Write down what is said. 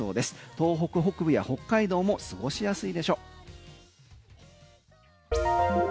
東北北部や北海道も過ごしやすいでしょう。